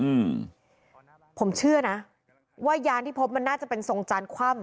อืมผมเชื่อนะว่ายานที่พบมันน่าจะเป็นทรงจานคว่ำ